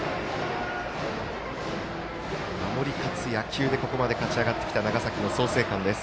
守り勝つ野球でここまで勝ち上がってきた長崎の創成館。